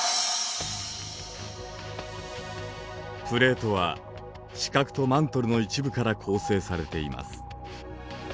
プレートは地殻とマントルの一部から構成されています。